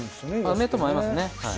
梅とも合いますねはい。